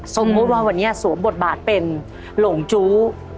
สมมุติว่าวันนี้สวมบทบาทเป็นหลงจู้